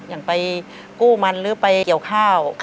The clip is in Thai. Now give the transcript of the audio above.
อย่างไปกู้มันหรือไปเกี่ยวข้าว